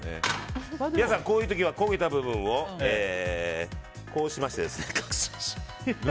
皆さん、こういう時は焦げた部分を隠しましょう。